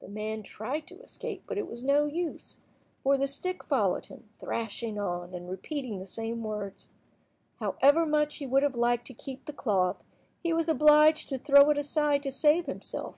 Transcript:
The man tried to escape, but it was no use, for the stick followed him, thrashing on, and repeating the same words. However much he would have liked to keep the cloth, he was obliged to throw it aside to save himself.